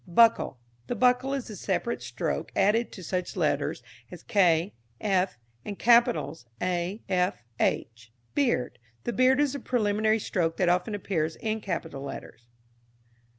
Buckle. The buckle is the separate stroke added to such letters as k, f, and capitals A, F, H. Beard. The beard is the preliminary stroke that often appears in capital letters.